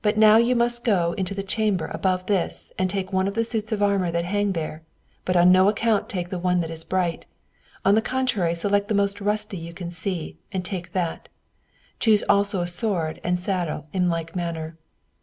Now you must go up into the chamber above this, and take one of the suits of armor that hang there: but on no account take one that is bright; on the contrary, select the most rusty you can see, and take that; choose also a sword and saddle in like manner."